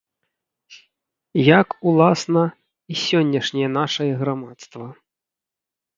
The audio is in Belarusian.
Як, уласна, і сённяшняе нашае грамадства.